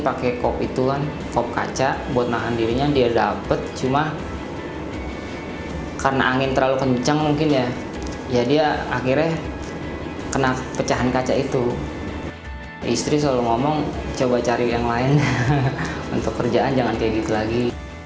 pakai kop itu kan kop kaca buat nahan dirinya dia dapat cuma karena angin terlalu kencang mungkin ya dia akhirnya kena pecahan kaca itu istri selalu ngomong coba cari yang lain untuk kerjaan jangan kayak gitu lagi